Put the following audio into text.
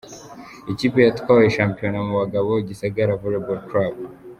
Ikipe yatwaye shampiyona mu bagabo: Gisagara Volleyball Club.